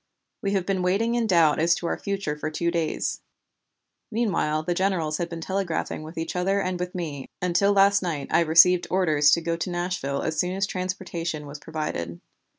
We have been waiting in doubt as to our future for two days; meanwhile the generals had been telegraphing with each other and with me, until last night I received orders to go to Nashville as soon as transportation was provided.